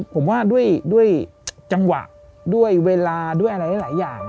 ผมว่าด้วยจังหวะด้วยเวลาด้วยอะไรหลายอย่าง